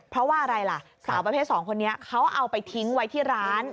เพราะว่าอะไรล่ะสาวประเภท๒คนนี้เขาเอาไปทิ้งไว้ที่ร้าน